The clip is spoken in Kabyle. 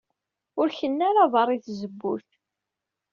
Ur kennu ara beṛṛa i tzewwut.